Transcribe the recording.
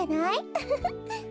ウフフ。